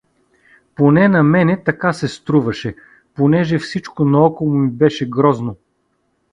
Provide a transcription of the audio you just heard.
Поне на мене така се струваше, понеже всичко наоколо ми беше грозно.